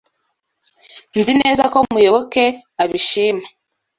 Nzi neza ko Muyoboke abishima.